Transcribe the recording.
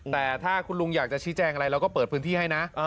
แต่ถ้าคุณลุงอยากจะชี้แจงอะไรเราก็เปิดพื้นที่ให้นะ